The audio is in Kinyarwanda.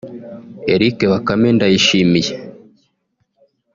Eric Bakame Ndayishimiye